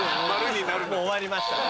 もう終わりました。